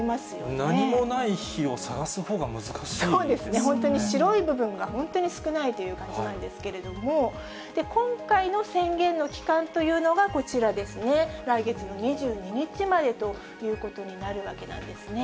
何もない日を探すほうが難しそうですね、本当に白い部分が本当に少ないという感じなんですけれども、今回の宣言の期間というのがこちらですね、来月の２２日までということになるわけなんですね。